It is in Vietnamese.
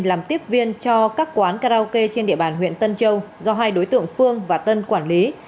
làm tiếp viên cho các quán karaoke trên địa bàn huyện tân châu do hai đối tượng phương và tân quản lý